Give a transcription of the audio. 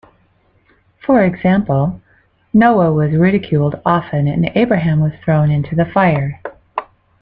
For example, Noah was ridiculed often and Abraham was thrown into the fire.